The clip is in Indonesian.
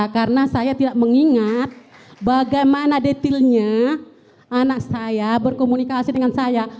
karena saya tidak mengingat bagaimana detailnya anak saya berkomunikasi dengan saya